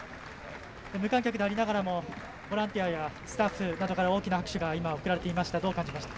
無観客でありながらもボランティアやスタッフなどから大きな拍手が送られていました。